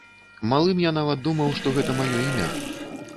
Малым я нават думаў, што гэта маё імя.